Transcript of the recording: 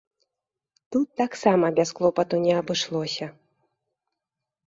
Тут таксама без клопату не абышлося.